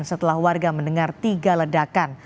setelah warga mendengar tiga ledakan